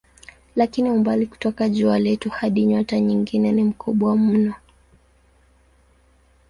Lakini umbali kutoka jua letu hadi nyota nyingine ni mkubwa mno.